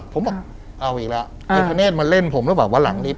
ผมเอาอีกแล้วทะเนธมาเล่นผมระหว่างว่าหลังลิฟต์